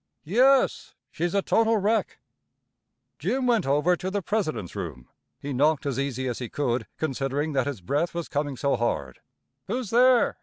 "Yes, she's a total wreck." Jim went over to the president's room. He knocked as easy as he could, considering that his breath was coming so hard. "Who's there?"